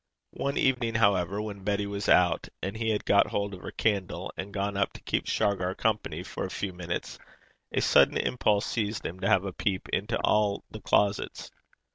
One evening, however, when Betty was out, and he had got hold of her candle, and gone up to keep Shargar company for a few minutes, a sudden impulse seized him to have a peep into all the closets.